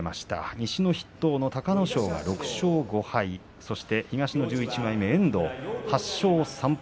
西の筆頭、隆の勝が６勝５敗東の１１枚目、遠藤は８勝３敗。